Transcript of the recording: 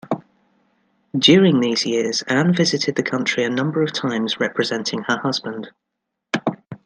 During these years Anne visited the country a number of times representing her husband.